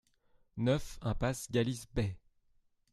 neuf impasse Gallice Bey